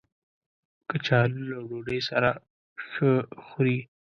کچالو له ډوډۍ سره ښه خوري